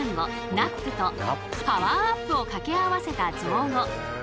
Ｎａｐとパワーアップを掛け合わせた造語。